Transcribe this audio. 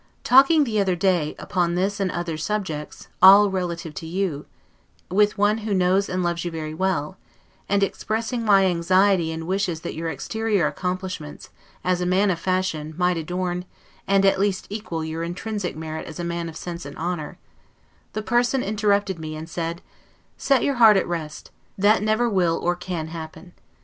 Talking the other day, upon this and other subjects, all relative to you, with one who knows and loves you very well, and expressing my anxiety and wishes that your exterior accomplishments, as a man of fashion, might adorn, and at least equal your intrinsic merit as a man of sense and honor, the person interrupted me, and said: Set your heart at rest; that never will or can happen.